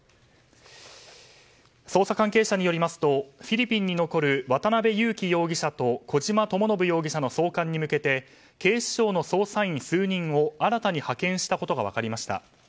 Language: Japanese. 捜査関係者によりますとフィリピンに残る渡辺優樹容疑者と小島智信容疑者の送還に向けて警視庁の捜査員数人を新たに派遣したことが分かりました。